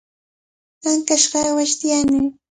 Ankashqa aawasta yanuy.